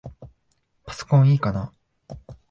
パソコンいいかな？